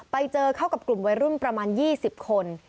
ไปเจอเข้ากับกลุ่มวัยรุ่นประมาณ๒๐คน